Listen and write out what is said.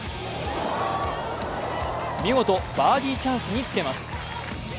見事バーディーチャンスにつけます。